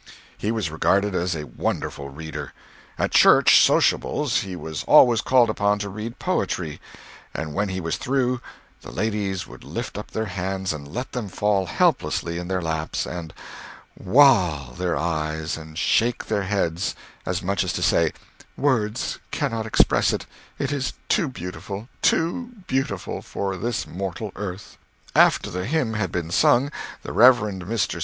He was regarded as a wonderful reader. At church "sociables" he was always called upon to read poetry; and when he was through, the ladies would lift up their hands and let them fall helplessly in their laps, and "wall" their eyes, and shake their heads, as much as to say, "Words cannot express it; it is too beautiful, TOO beautiful for this mortal earth." After the hymn had been sung, the Rev. Mr.